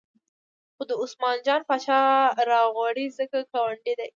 خو دا عثمان جان پاچا راوغواړئ ځکه ګاونډی دی.